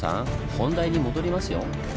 本題に戻りますよ。